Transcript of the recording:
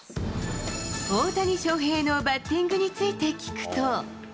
大谷翔平のバッティングについて聞くと。